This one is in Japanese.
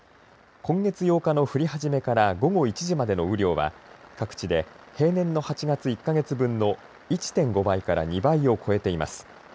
今月８日の降り始めから午後１時までの雨量は各地で平年の８月１か月分の１．５倍から２倍を超えています。